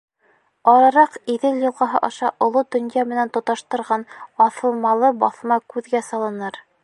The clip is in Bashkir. Арыраҡ Иҙел йылғаһы аша оло донъя менән тоташтырған аҫылмалы баҫма күҙгә салыныр.